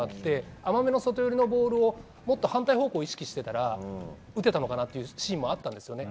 甘めの外寄りのもっと反対方向を意識して打てたのかなというシーンもあったんです。